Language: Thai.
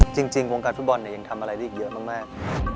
จริงวงการฟุตบอลยังทำอะไรได้อีกเยอะมาก